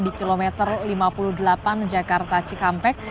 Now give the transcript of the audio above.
di kilometer lima puluh delapan jakarta cikampek